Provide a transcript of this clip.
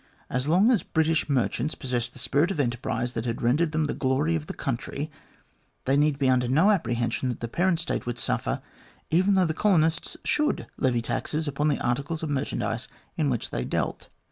As long as British merchants possessed the spirit of enterprise that had rendered them the glory of the country, they need be under no apprehension that the parent State would suffer, even though the colonists should levy taxes upon the articles of merchandise in which they dealt.